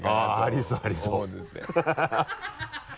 ありそうありそう